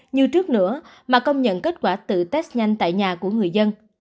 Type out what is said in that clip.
như trước nữa mà công nhận kết quả tự test nhanh tại nhà của người dân